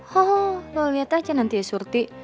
loh lo liat aja nanti ya surti